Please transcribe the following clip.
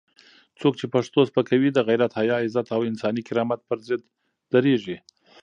څوک چې پښتو سپکوي، د غیرت، حیا، عزت او انساني کرامت پر ضد درېږي.